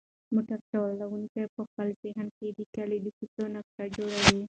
موټر چلونکی په خپل ذهن کې د کلي د کوڅو نقشه جوړوي.